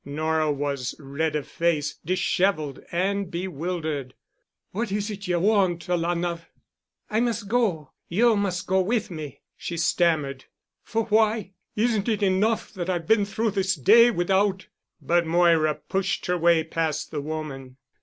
Nora was red of face, disheveled, and bewildered. "What is it ye want, alanah?" "I must go—you must go with me," she stammered. "For why? Isn't it enough I've been through this day widout——" But Moira pushed her way past the woman.